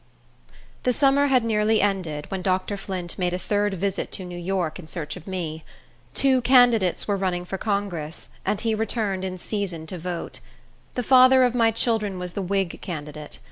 The summer had nearly ended, when Dr. Flint made a third visit to New York, in search of me. Two candidates were running for Congress, and he returned in season to vote. The father of my children was the Whig candidate.